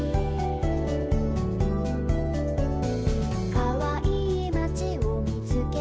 「かわいいまちをみつけたよ」